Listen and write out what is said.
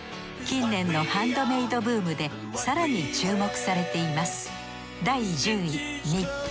近年のハンドメイドブームで更に注目されています